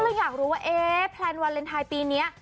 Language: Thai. อยากรู้ว่าเอ๊ะแพลนวาเลนไทยปีนี้